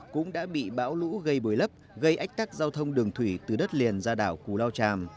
cũng đã bị bão lũ gây bồi lấp gây ách tắc giao thông đường thủy từ đất liền ra đảo cù lao tràm